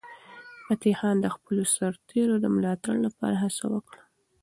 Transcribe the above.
فتح خان د خپلو سرتیرو د ملاتړ لپاره هڅه وکړه.